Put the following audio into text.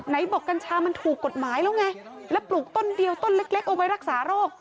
บอกกัญชามันถูกกฎหมายแล้วไงแล้วปลูกต้นเดียวต้นเล็กเอาไว้รักษาโรค